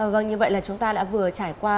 vâng như vậy là chúng ta đã vừa trải qua